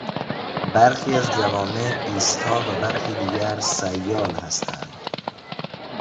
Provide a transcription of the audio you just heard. برخی از جوامع ایستا و برخی دیگر سیال هستند.